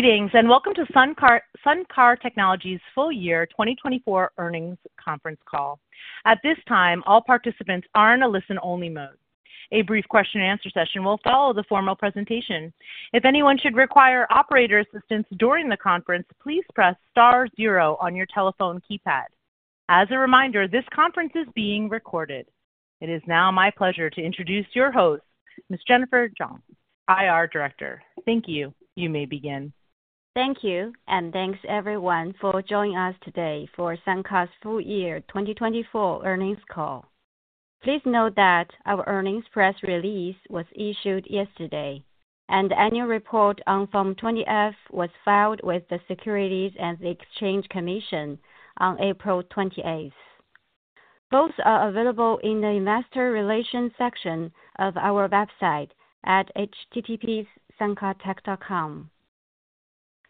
Greetings, and welcome to SunCar Technology's full-year 2024 earnings conference call. At this time, all participants are in a listen-only mode. A brief question-and-answer session will follow the formal presentation. If anyone should require operator assistance during the conference, please press star zero on your telephone keypad. As a reminder, this conference is being recorded. It is now my pleasure to introduce your host, Ms. Jennifer Jiang, IR Director. Thank you. You may begin. Thank you, and thanks everyone for joining us today for SunCar's full-year 2024 earnings call. Please note that our earnings press release was issued yesterday, and the annual report on Form 20-F was filed with the U.S. Securities and Exchange Commission on April 28th. Both are available in the investor relations section of our website at https://suncartech.com.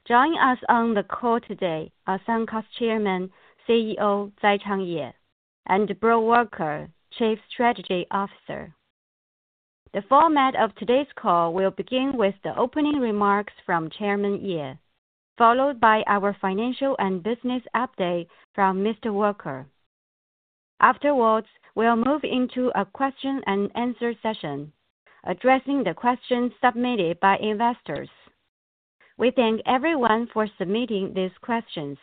Joining us on the call today are SunCar's Chairman, CEO Zaichang Ye, and Breaux Walker, Chief Strategy Officer. The format of today's call will begin with the opening remarks from Chairman Ye, followed by our financial and business update from Mr. Walker. Afterwards, we'll move into a question-and-answer session addressing the questions submitted by investors. We thank everyone for submitting these questions.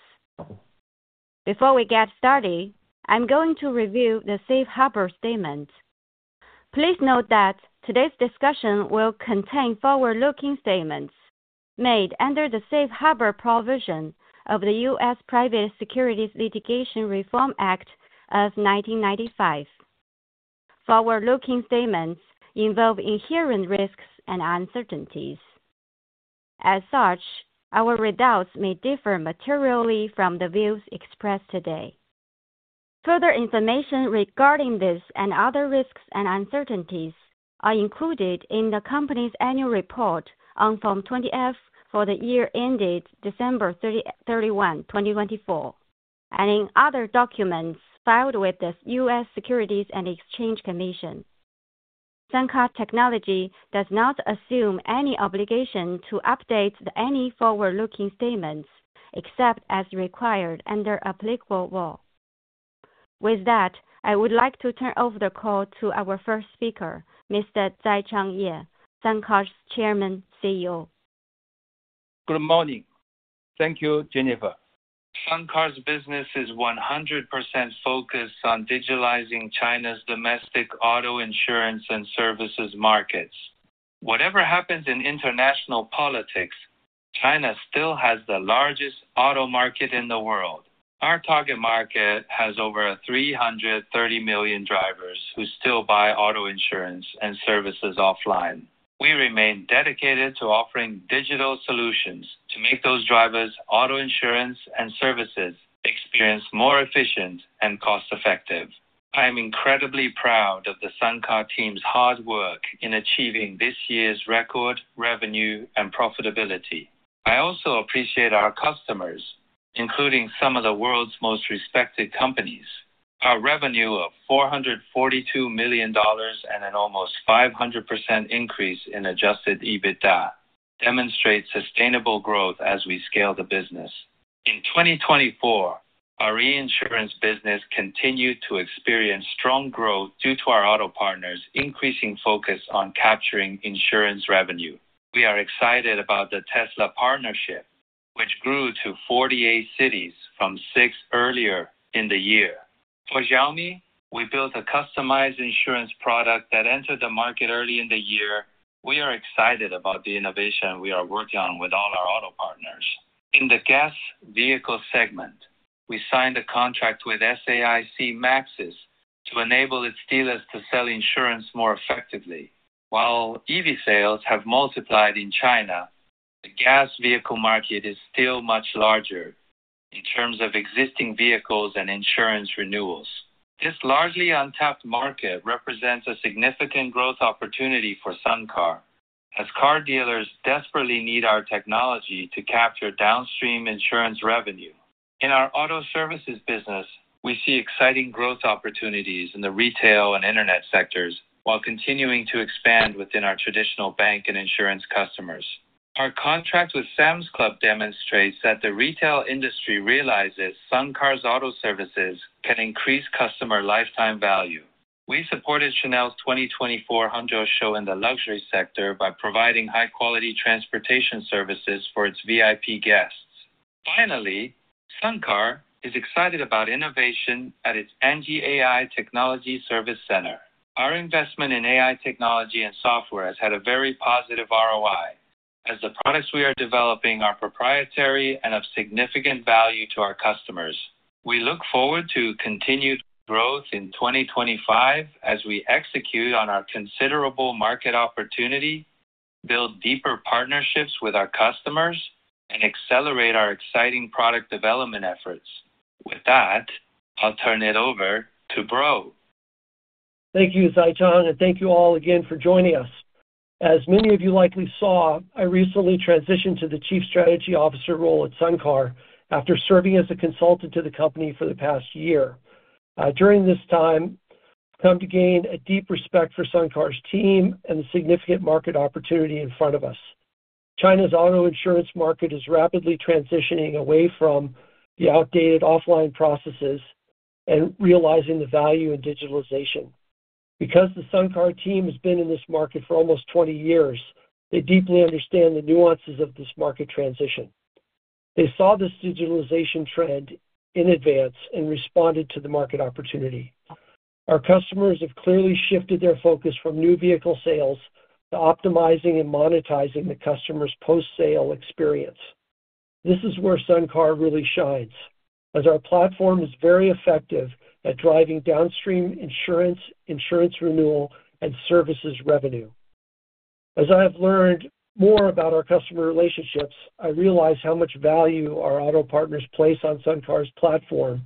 Before we get started, I'm going to review the Safe Harbor Statement. Please note that today's discussion will contain forward-looking statements made under the Safe Harbor provision of the U.S. Private Securities Litigation Reform Act of 1995. Forward-looking statements involve inherent risks and uncertainties. As such, our results may differ materially from the views expressed today. Further information regarding this and other risks and uncertainties are included in the company's annual report on Form 20-F for the year ended December 31, 2024, and in other documents filed with the U.S. Securities and Exchange Commission. SunCar Technology does not assume any obligation to update any forward-looking statements except as required under applicable law. With that, I would like to turn over the call to our first speaker, Mr. Zaichang Ye, SunCar's Chairman, CEO. Good morning. Thank you, Jennifer. SunCar's business is 100% focused on digitalizing China's domestic auto insurance and services markets. Whatever happens in international politics, China still has the largest auto market in the world. Our target market has over 330 million drivers who still buy auto insurance and services offline. We remain dedicated to offering digital solutions to make those drivers' auto insurance and services experience more efficient and cost-effective. I am incredibly proud of the SunCar team's hard work in achieving this year's record revenue and profitability. I also appreciate our customers, including some of the world's most respected companies. Our revenue of $442 million and an almost 500% increase in adjusted EBITDA demonstrate sustainable growth as we scale the business. In 2024, our reinsurance business continued to experience strong growth due to our auto partners' increasing focus on capturing insurance revenue. We are excited about the Tesla partnership, which grew to 48 cities from six earlier in the year. For Xiaomi, we built a customized insurance product that entered the market early in the year. We are excited about the innovation we are working on with all our auto partners. In the gas vehicle segment, we signed a contract with SAIC Maxus to enable its dealers to sell insurance more effectively. While EV sales have multiplied in China, the gas vehicle market is still much larger in terms of existing vehicles and insurance renewals. This largely untapped market represents a significant growth opportunity for SunCar, as car dealers desperately need our technology to capture downstream insurance revenue. In our auto services business, we see exciting growth opportunities in the retail and internet sectors while continuing to expand within our traditional bank and insurance customers. Our contract with Sam's Club demonstrates that the retail industry realizes SunCar's auto services can increase customer lifetime value. We supported Chanel's 2024 Hangzhou show in the luxury sector by providing high-quality transportation services for its VIP guests. Finally, SunCar is excited about innovation at its Anji AI Technology Service Center. Our investment in AI technology and software has had a very positive ROI, as the products we are developing are proprietary and of significant value to our customers. We look forward to continued growth in 2025 as we execute on our considerable market opportunity, build deeper partnerships with our customers, and accelerate our exciting product development efforts. With that, I'll turn it over to Breaux. Thank you, Zaichang, and thank you all again for joining us. As many of you likely saw, I recently transitioned to the Chief Strategy Officer role at SunCar after serving as a consultant to the company for the past year. During this time, I've come to gain a deep respect for SunCar's team and the significant market opportunity in front of us. China's auto insurance market is rapidly transitioning away from the outdated offline processes and realizing the value in digitalization. Because the SunCar team has been in this market for almost 20 years, they deeply understand the nuances of this market transition. They saw this digitalization trend in advance and responded to the market opportunity. Our customers have clearly shifted their focus from new vehicle sales to optimizing and monetizing the customer's post-sale experience. This is where SunCar really shines, as our platform is very effective at driving downstream insurance, insurance renewal, and services revenue. As I have learned more about our customer relationships, I realize how much value our auto partners place on SunCar's platform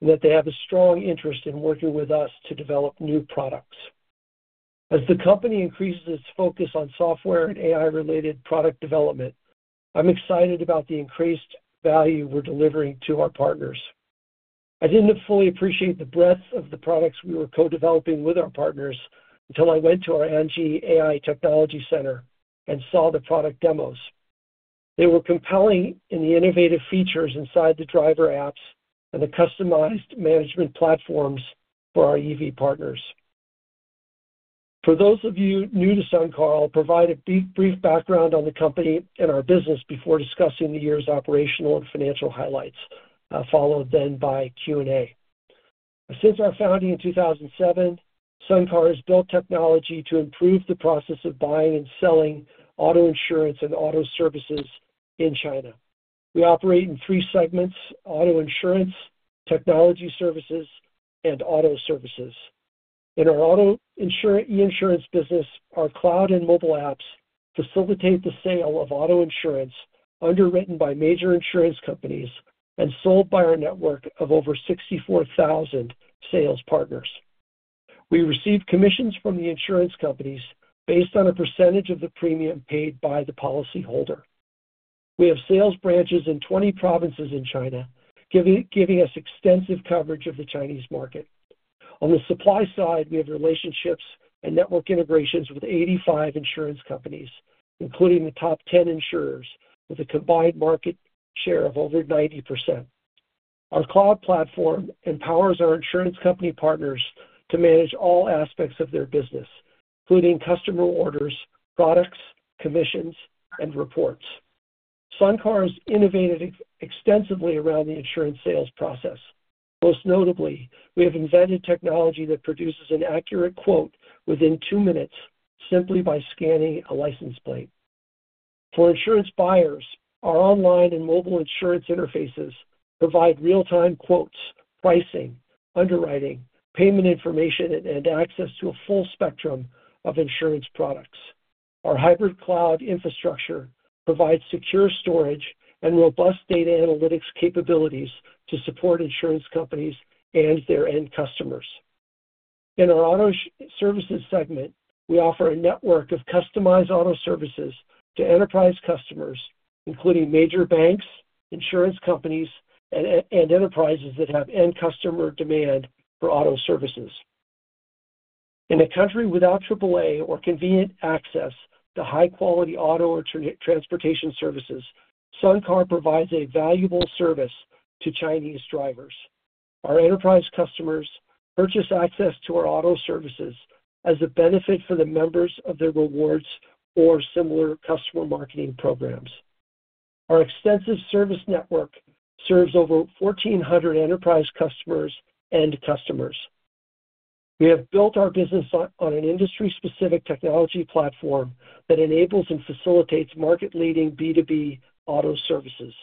and that they have a strong interest in working with us to develop new products. As the company increases its focus on software and AI-related product development, I'm excited about the increased value we're delivering to our partners. I didn't fully appreciate the breadth of the products we were co-developing with our partners until I went to our Anji AI Technology Service Center and saw the product demos. They were compelling in the innovative features inside the driver apps and the customized management platforms for our EV partners. For those of you new to SunCar, I'll provide a brief background on the company and our business before discussing the year's operational and financial highlights, followed then by Q&A. Since our founding in 2007, SunCar has built technology to improve the process of buying and selling auto insurance and auto services in China. We operate in three segments: auto insurance, technology services, and auto services. In our auto insurance business, our cloud and mobile apps facilitate the sale of auto insurance underwritten by major insurance companies and sold by our network of over 64,000 sales partners. We receive commissions from the insurance companies based on a percentage of the premium paid by the policyholder. We have sales branches in 20 provinces in China, giving us extensive coverage of the Chinese market. On the supply side, we have relationships and network integrations with 85 insurance companies, including the top 10 insurers, with a combined market share of over 90%. Our cloud platform empowers our insurance company partners to manage all aspects of their business, including customer orders, products, commissions, and reports. SunCar has innovated extensively around the insurance sales process. Most notably, we have invented technology that produces an accurate quote within two minutes simply by scanning a license plate. For insurance buyers, our online and mobile insurance interfaces provide real-time quotes, pricing, underwriting, payment information, and access to a full spectrum of insurance products. Our hybrid cloud infrastructure provides secure storage and robust data analytics capabilities to support insurance companies and their end customers. In our auto services segment, we offer a network of customized auto services to enterprise customers, including major banks, insurance companies, and enterprises that have end-customer demand for auto services. In a country without AAA or convenient access to high-quality auto or transportation services, SunCar provides a valuable service to Chinese drivers. Our enterprise customers purchase access to our auto services as a benefit for the members of their rewards or similar customer marketing programs. Our extensive service network serves over 1,400 enterprise customers and customers. We have built our business on an industry-specific technology platform that enables and facilitates market-leading B2B auto services.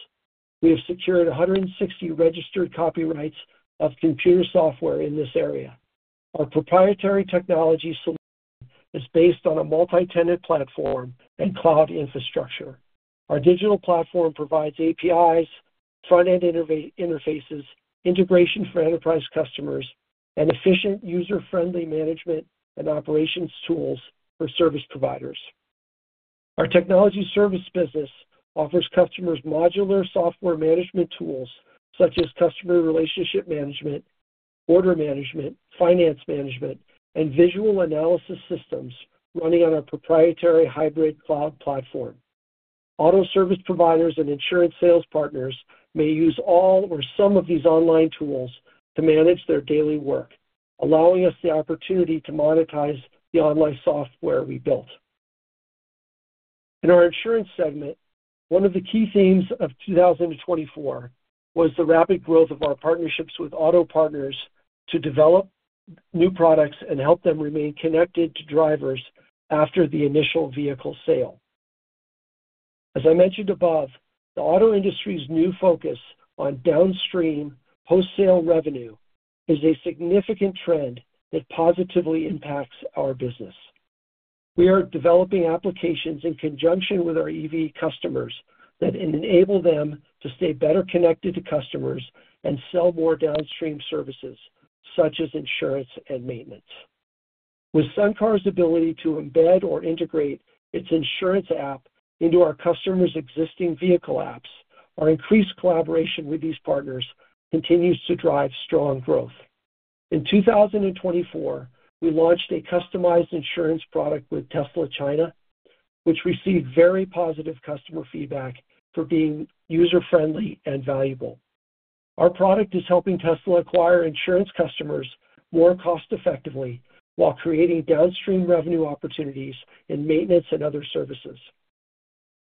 We have secured 160 registered copyrights of computer software in this area. Our proprietary technology solution is based on a multi-tenant platform and cloud infrastructure. Our digital platform provides APIs, front-end interfaces, integration for enterprise customers, and efficient user-friendly management and operations tools for service providers. Our technology service business offers customers modular software management tools such as customer relationship management, order management, finance management, and visual analysis systems running on our proprietary hybrid cloud platform. Auto service providers and insurance sales partners may use all or some of these online tools to manage their daily work, allowing us the opportunity to monetize the online software we built. In our insurance segment, one of the key themes of 2024 was the rapid growth of our partnerships with auto partners to develop new products and help them remain connected to drivers after the initial vehicle sale. As I mentioned above, the auto industry's new focus on downstream post-sale revenue is a significant trend that positively impacts our business. We are developing applications in conjunction with our EV customers that enable them to stay better connected to customers and sell more downstream services such as insurance and maintenance. With SunCar's ability to embed or integrate its insurance app into our customers' existing vehicle apps, our increased collaboration with these partners continues to drive strong growth. In 2024, we launched a customized insurance product with Tesla China, which received very positive customer feedback for being user-friendly and valuable. Our product is helping Tesla acquire insurance customers more cost-effectively while creating downstream revenue opportunities in maintenance and other services.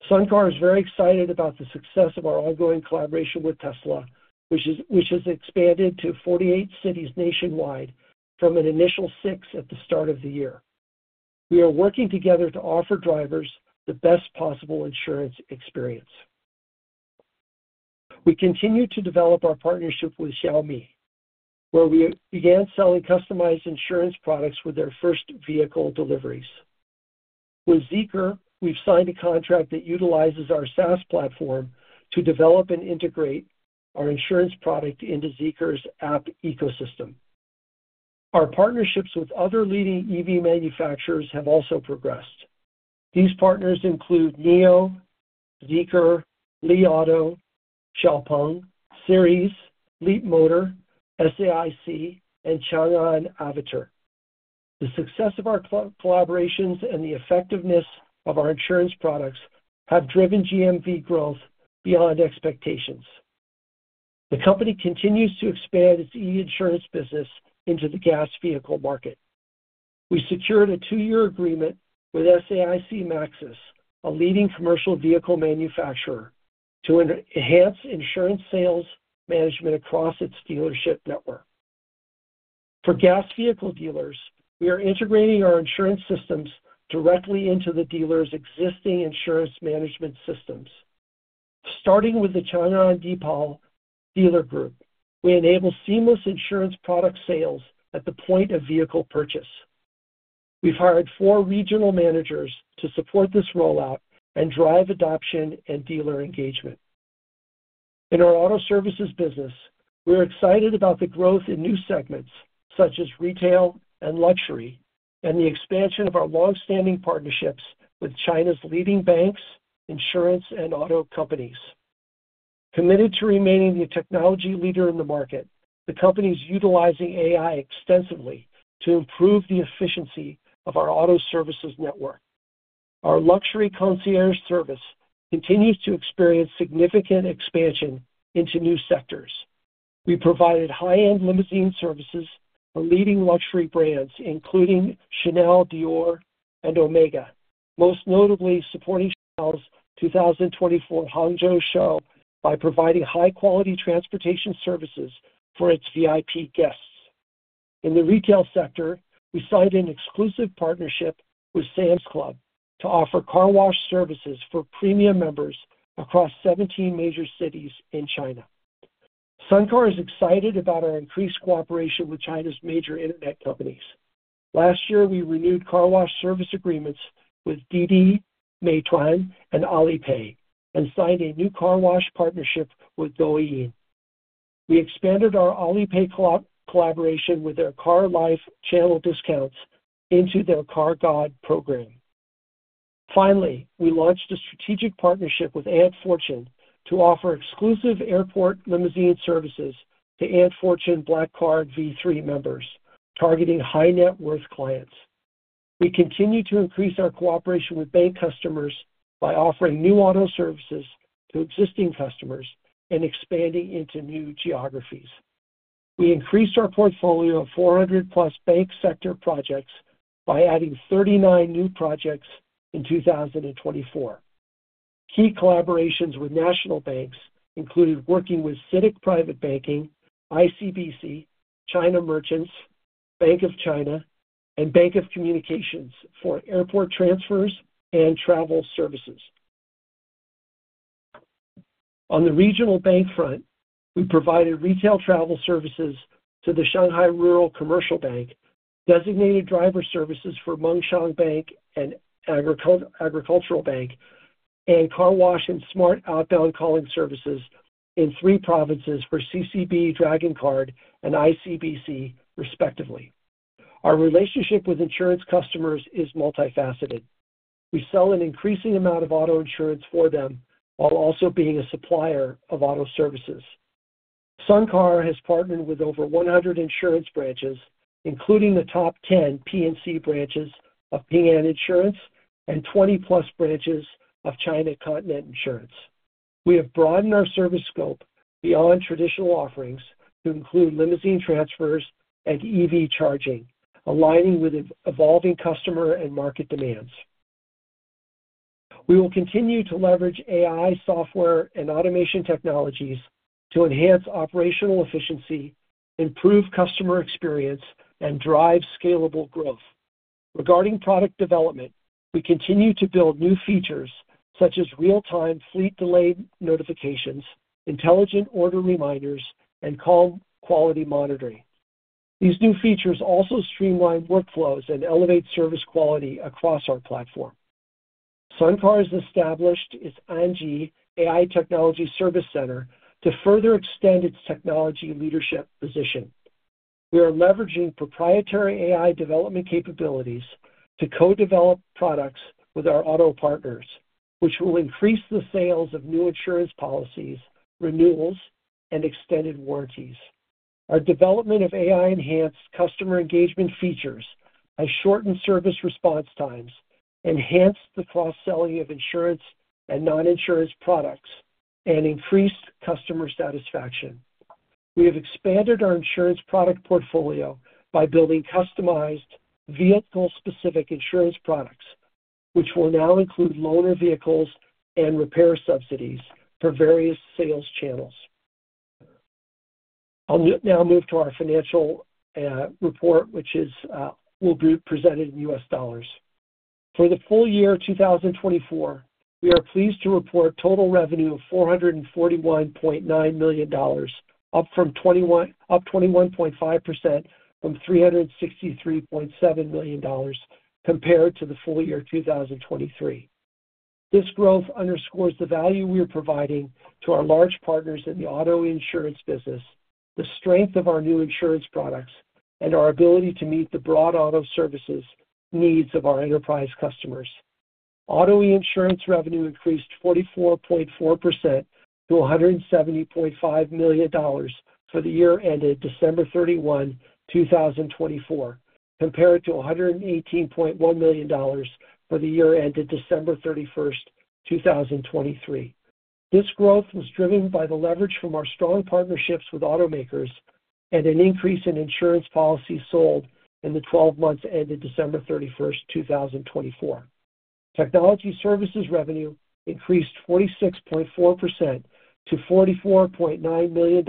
SunCar is very excited about the success of our ongoing collaboration with Tesla, which has expanded to 48 cities nationwide from an initial six at the start of the year. We are working together to offer drivers the best possible insurance experience. We continue to develop our partnership with Xiaomi, where we began selling customized insurance products with their first vehicle deliveries. With Zeekr, we've signed a contract that utilizes our SaaS platform to develop and integrate our insurance product into Zeekr's app ecosystem. Our partnerships with other leading EV manufacturers have also progressed. These partners include NIO, Zeekr, Li Auto, XPENG, Seres, Leapmotor, SAIC, and Changan AVATR. The success of our collaborations and the effectiveness of our insurance products have driven GMV growth beyond expectations. The company continues to expand its e-insurance business into the gas vehicle market. We secured a two-year agreement with SAIC Maxus, a leading commercial vehicle manufacturer, to enhance insurance sales management across its dealership network. For gas vehicle dealers, we are integrating our insurance systems directly into the dealer's existing insurance management systems. Starting with the Changan DEEPAL dealer group, we enable seamless insurance product sales at the point of vehicle purchase. We've hired four regional managers to support this rollout and drive adoption and dealer engagement. In our auto services business, we're excited about the growth in new segments such as retail and luxury and the expansion of our long-standing partnerships with China's leading banks, insurance, and auto companies. Committed to remaining the technology leader in the market, the company is utilizing AI extensively to improve the efficiency of our auto services network. Our luxury concierge service continues to experience significant expansion into new sectors. We provided high-end limousine services for leading luxury brands, including Chanel, Dior, and Omega, most notably supporting Chanel's 2024 Hangzhou show by providing high-quality transportation services for its VIP guests. In the retail sector, we signed an exclusive partnership with Sam's Club to offer car wash services for premium members across 17 major cities in China. SunCar is excited about our increased cooperation with China's major internet companies. Last year, we renewed car wash service agreements with DiDi, Meituan, and Alipay, and signed a new car wash partnership with Douyin. We expanded our Alipay collaboration with their Car Life channel discounts into their Car God program. Finally, we launched a strategic partnership with Ant Fortune to offer exclusive airport limousine services to Ant Fortune Black Card V3 members, targeting high-net-worth clients. We continue to increase our cooperation with bank customers by offering new auto services to existing customers and expanding into new geographies. We increased our portfolio of 400-plus bank sector projects by adding 39 new projects in 2024. Key collaborations with national banks included working with CITIC Private Banking, ICBC, China Merchants Bank, Bank of China, and Bank of Communications for airport transfers and travel services. On the regional bank front, we provided retail travel services to the Shanghai Rural Commercial Bank, designated driver services for Minsheng Bank and Agricultural Bank of China, and car wash and smart outbound calling services in three provinces for CCB, Dragon Card, and ICBC, respectively. Our relationship with insurance customers is multifaceted. We sell an increasing amount of auto insurance for them while also being a supplier of auto services. SunCar has partnered with over 100 insurance branches, including the top 10 P&C branches of Ping An Insurance and 20-plus branches of China Continent Insurance. We have broadened our service scope beyond traditional offerings to include limousine transfers and EV charging, aligning with evolving customer and market demands. We will continue to leverage AI, software, and automation technologies to enhance operational efficiency, improve customer experience, and drive scalable growth. Regarding product development, we continue to build new features such as real-time fleet delay notifications, intelligent order reminders, and call quality monitoring. These new features also streamline workflows and elevate service quality across our platform. SunCar has established its Anji AI Technology Service Center to further extend its technology leadership position. We are leveraging proprietary AI development capabilities to co-develop products with our auto partners, which will increase the sales of new insurance policies, renewals, and extended warranties. Our development of AI-enhanced customer engagement features has shortened service response times, enhanced the cross-selling of insurance and non-insurance products, and increased customer satisfaction. We have expanded our insurance product portfolio by building customized vehicle-specific insurance products, which will now include loaner vehicles and repair subsidies for various sales channels. I'll now move to our financial report, which will be presented in U.S. dollars. For the full year 2024, we are pleased to report total revenue of $441.9 million, up 21.5% from $363.7 million compared to the full year 2023. This growth underscores the value we are providing to our large partners in the auto insurance business, the strength of our new insurance products, and our ability to meet the broad auto services needs of our enterprise customers. Auto insurance revenue increased 44.4% to $170.5 million for the year ended December 31, 2024, compared to $118.1 million for the year ended December 31, 2023. This growth was driven by the leverage from our strong partnerships with automakers and an increase in insurance policies sold in the 12 months ended December 31, 2024. Technology services revenue increased 46.4% to $44.9 million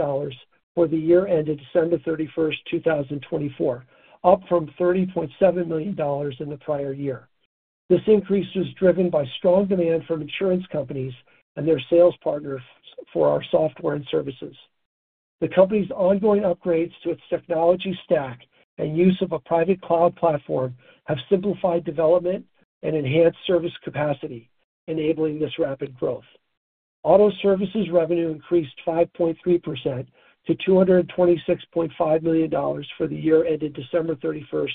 for the year ended December 31, 2024, up from $30.7 million in the prior year. This increase was driven by strong demand from insurance companies and their sales partners for our software and services. The company's ongoing upgrades to its technology stack and use of a private cloud platform have simplified development and enhanced service capacity, enabling this rapid growth. Auto services revenue increased 5.3% to $226.5 million for the year ended December 31,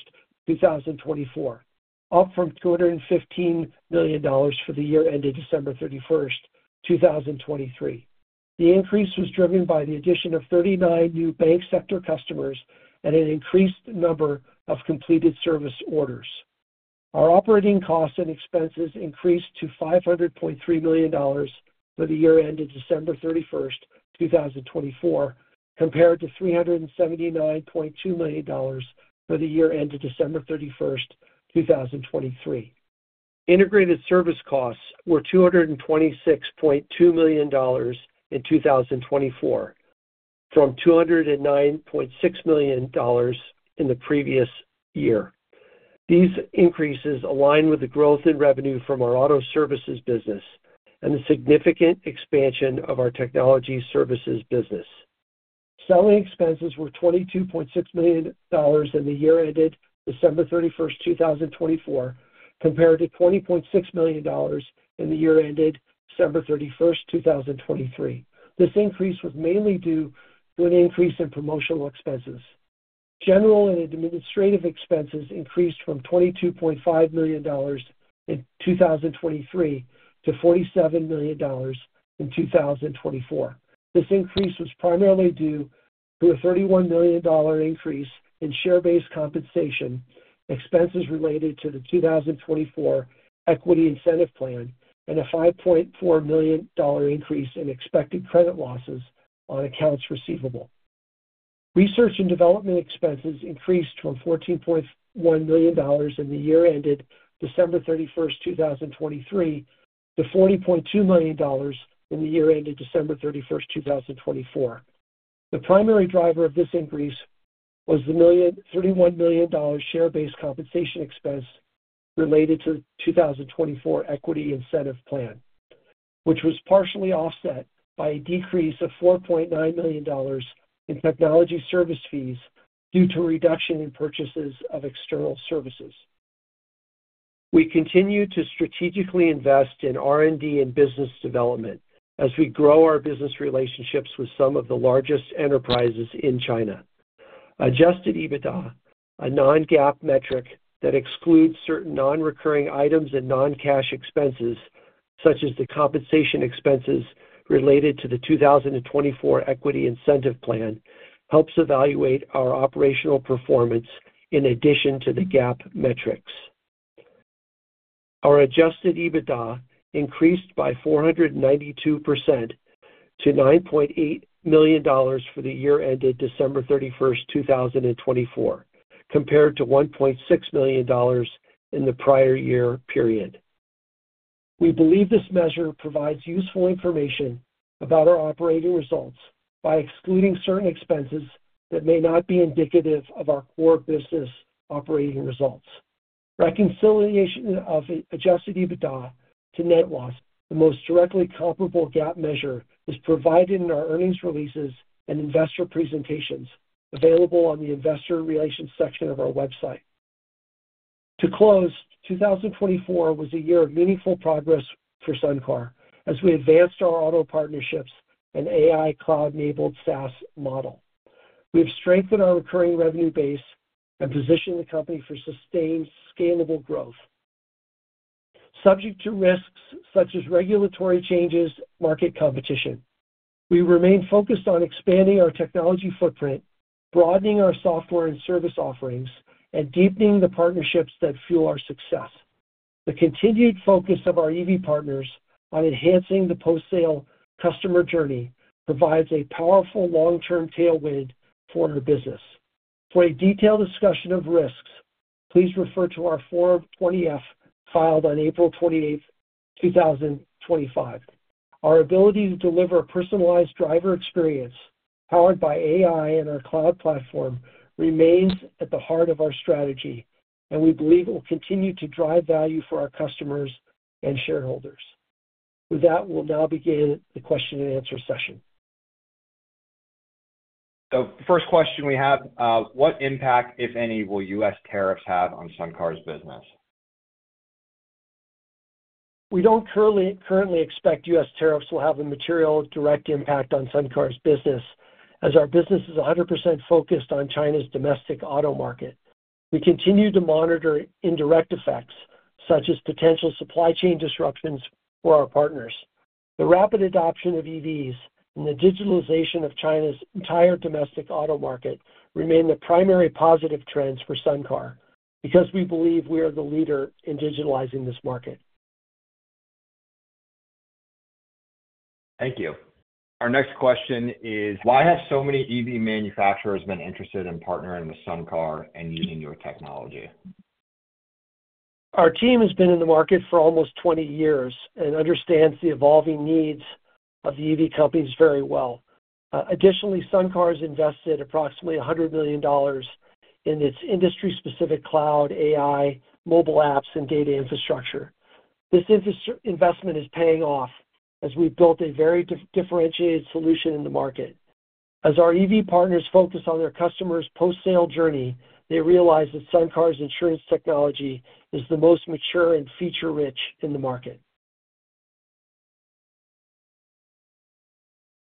2024, up from $215 million for the year ended December 31, 2023. The increase was driven by the addition of 39 new bank sector customers and an increased number of completed service orders. Our operating costs and expenses increased to $500.3 million for the year ended December 31, 2024, compared to $379.2 million for the year ended December 31, 2023. Integrated service costs were $226.2 million in 2024, from $209.6 million in the previous year. These increases align with the growth in revenue from our auto services business and the significant expansion of our technology services business. Selling expenses were $22.6 million in the year ended December 31, 2024, compared to $20.6 million in the year ended December 31, 2023. This increase was mainly due to an increase in promotional expenses. General and administrative expenses increased from $22.5 million in 2023 to $47 million in 2024. This increase was primarily due to a $31 million increase in share-based compensation expenses related to the 2024 equity incentive plan and a $5.4 million increase in expected credit losses on accounts receivable. Research and development expenses increased from $14.1 million in the year ended December 31, 2023, to $40.2 million in the year ended December 31, 2024. The primary driver of this increase was the $31 million share-based compensation expense related to the 2024 equity incentive plan, which was partially offset by a decrease of $4.9 million in technology service fees due to a reduction in purchases of external services. We continue to strategically invest in R&D and business development as we grow our business relationships with some of the largest enterprises in China. Adjusted EBITDA, a non-GAAP metric that excludes certain non-recurring items and non-cash expenses, such as the compensation expenses related to the 2024 equity incentive plan, helps evaluate our operational performance in addition to the GAAP metrics. Our adjusted EBITDA increased by 492% to $9.8 million for the year ended December 31, 2024, compared to $1.6 million in the prior year period. We believe this measure provides useful information about our operating results by excluding certain expenses that may not be indicative of our core business operating results. Reconciliation of adjusted EBITDA to net loss, the most directly comparable GAAP measure, is provided in our earnings releases and investor presentations available on the investor relations section of our website. To close, 2024 was a year of meaningful progress for SunCar as we advanced our auto partnerships and AI cloud-enabled SaaS model. We have strengthened our recurring revenue base and positioned the company for sustained scalable growth. Subject to risks such as regulatory changes, market competition, we remain focused on expanding our technology footprint, broadening our software and service offerings, and deepening the partnerships that fuel our success. The continued focus of our EV partners on enhancing the post-sale customer journey provides a powerful long-term tailwind for our business. For a detailed discussion of risks, please refer to our Form 20-F filed on April 28, 2025. Our ability to deliver a personalized driver experience powered by AI and our cloud platform remains at the heart of our strategy, and we believe it will continue to drive value for our customers and shareholders. With that, we will now begin the question and answer session. The first question we have is, what impact, if any, will U.S. tariffs have on SunCar's business? We do not currently expect U.S. tariffs will have a material direct impact on SunCar's business, as our business is 100% focused on China's domestic auto market. We continue to monitor indirect effects, such as potential supply chain disruptions for our partners. The rapid adoption of EVs and the digitalization of China's entire domestic auto market remain the primary positive trends for SunCar because we believe we are the leader in digitalizing this market. Thank you. Our next question is, why have so many EV manufacturers been interested in partnering with SunCar and using your technology? Our team has been in the market for almost 20 years and understands the evolving needs of the EV companies very well. Additionally, SunCar has invested approximately $100 million in its industry-specific cloud, AI, mobile apps, and data infrastructure. This investment is paying off as we've built a very differentiated solution in the market. As our EV partners focus on their customers' post-sale journey, they realize that SunCar's insurance technology is the most mature and feature-rich in the market.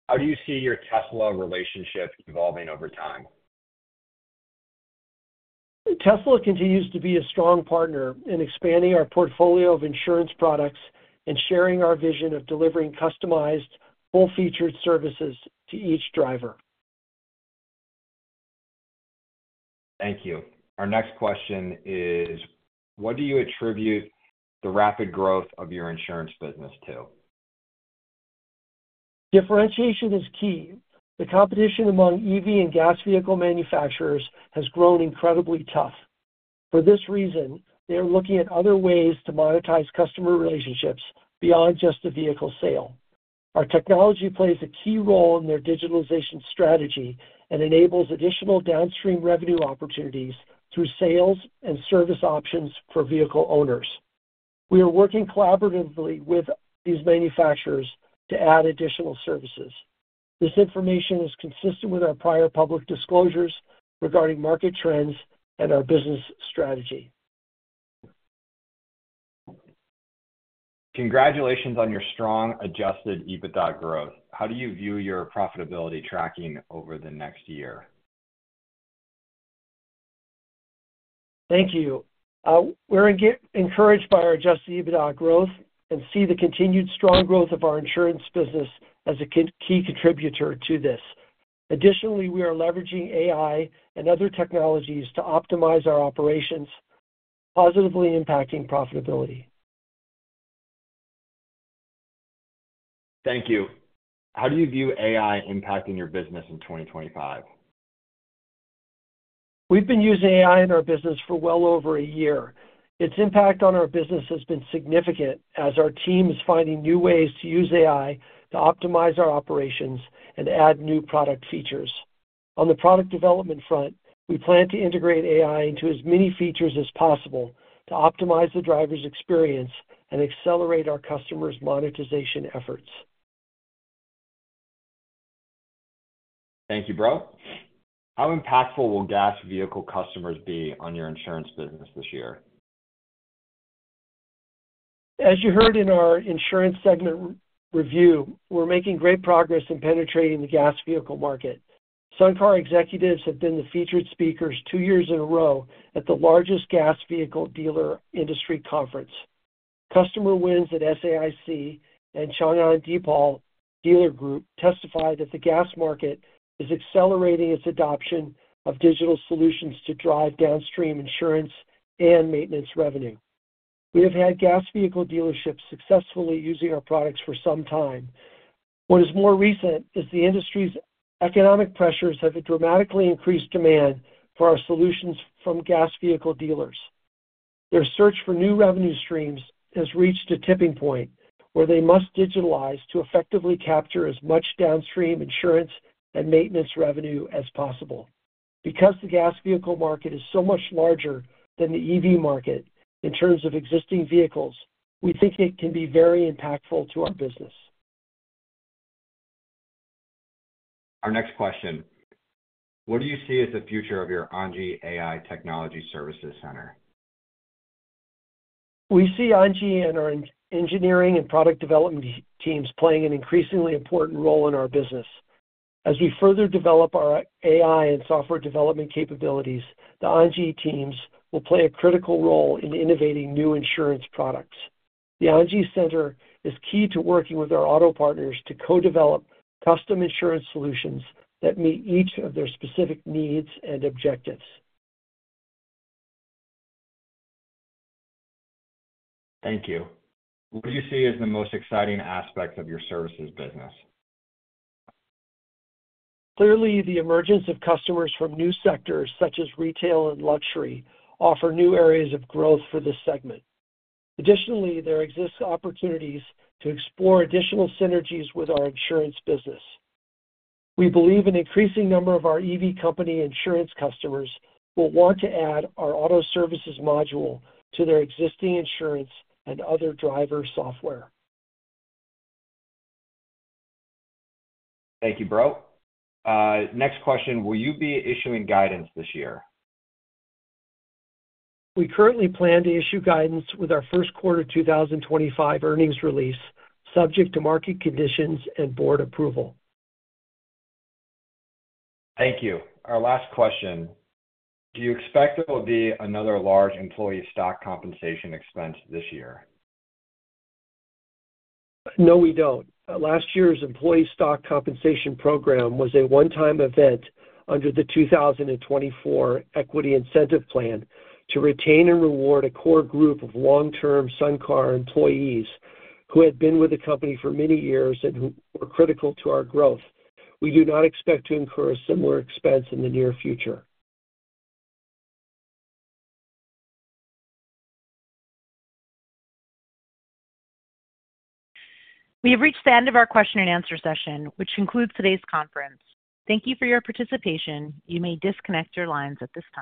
How do you see your Tesla relationship evolving over time? Tesla continues to be a strong partner in expanding our portfolio of insurance products and sharing our vision of delivering customized, full-featured services to each driver. Thank you. Our next question is, what do you attribute the rapid growth of your insurance business to? Differentiation is key. The competition among EV and gas vehicle manufacturers has grown incredibly tough. For this reason, they are looking at other ways to monetize customer relationships beyond just a vehicle sale. Our technology plays a key role in their digitalization strategy and enables additional downstream revenue opportunities through sales and service options for vehicle owners. We are working collaboratively with these manufacturers to add additional services. This information is consistent with our prior public disclosures regarding market trends and our business strategy. Congratulations on your strong adjusted EBITDA growth. How do you view your profitability tracking over the next year? Thank you. We're encouraged by our adjusted EBITDA growth and see the continued strong growth of our insurance business as a key contributor to this. Additionally, we are leveraging AI and other technologies to optimize our operations, positively impacting profitability. Thank you. How do you view AI impacting your business in 2025? We've been using AI in our business for well over a year. Its impact on our business has been significant as our team is finding new ways to use AI to optimize our operations and add new product features. On the product development front, we plan to integrate AI into as many features as possible to optimize the driver's experience and accelerate our customers' monetization efforts. Thank you, Breaux. How impactful will gas vehicle customers be on your insurance business this year? As you heard in our insurance segment review, we're making great progress in penetrating the gas vehicle market. SunCar executives have been the featured speakers two years in a row at the largest gas vehicle dealer industry conference. Customer wins at SAIC and Changan DEEPAL Dealer Group testify that the gas market is accelerating its adoption of digital solutions to drive downstream insurance and maintenance revenue. We have had gas vehicle dealerships successfully using our products for some time. What is more recent is the industry's economic pressures have dramatically increased demand for our solutions from gas vehicle dealers. Their search for new revenue streams has reached a tipping point where they must digitalize to effectively capture as much downstream insurance and maintenance revenue as possible. Because the gas vehicle market is so much larger than the EV market in terms of existing vehicles, we think it can be very impactful to our business. Our next question, what do you see as the future of your Anji AI Technology Service Center? We see Anji and our engineering and product development teams playing an increasingly important role in our business. As we further develop our AI and software development capabilities, the Anji teams will play a critical role in innovating new insurance products. The Anji Center is key to working with our auto partners to co-develop custom insurance solutions that meet each of their specific needs and objectives. Thank you. What do you see as the most exciting aspect of your services business? Clearly, the emergence of customers from new sectors such as retail and luxury offers new areas of growth for this segment. Additionally, there exist opportunities to explore additional synergies with our insurance business. We believe an increasing number of our EV company insurance customers will want to add our auto services module to their existing insurance and other driver software. Thank you, Breaux. Next question, will you be issuing guidance this year? We currently plan to issue guidance with our first quarter 2025 earnings release, subject to market conditions and board approval. Thank you. Our last question, do you expect there will be another large employee stock compensation expense this year? No, we don't. Last year's employee stock compensation program was a one-time event under the 2024 equity incentive plan to retain and reward a core group of long-term SunCar employees who had been with the company for many years and who were critical to our growth. We do not expect to incur a similar expense in the near future. We have reached the end of our question and answer session, which concludes today's conference. Thank you for your participation. You may disconnect your lines at this time.